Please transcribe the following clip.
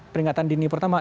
peringatan dini pertama